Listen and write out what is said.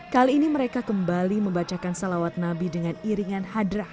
kali ini mereka kembali membacakan salawat nabi dengan iringan hadrah